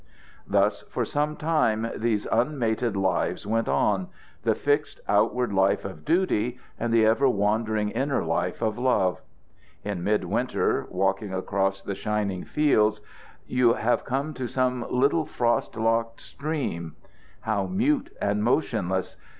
Thus for some time these unmated lives went on the fixed outward life of duty, and the ever wandering inner life of love. In mid winter, walking across the shining fields, you have come to some little frost locked stream. How mute and motionless!